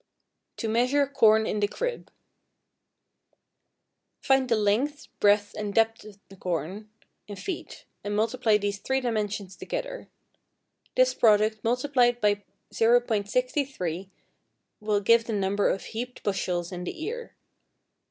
=To Measure Corn in the Crib.= Find the length, breadth, and depth of the corn, in feet, and multiply these three dimensions together; this product multiplied by .63 will give the number of heaped bushels in the ear.